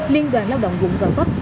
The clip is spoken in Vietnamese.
liên quan lao động vùng cờ bắc